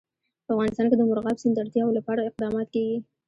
په افغانستان کې د مورغاب سیند د اړتیاوو لپاره اقدامات کېږي.